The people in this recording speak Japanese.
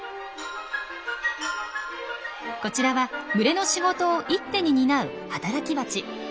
こちらは群れの仕事を一手に担う働きバチ。